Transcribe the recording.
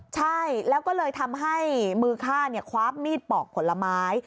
ใช่แล้วก็เลยทำให้มือฆ่าคว้ามีดปอกผลไม้